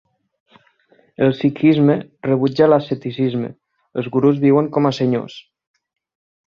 El sikhisme rebutja l'asceticisme: els gurús viuen com a senyors.